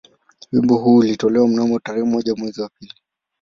Wimbo huu ulitolewa mnamo tarehe moja mwezi wa pili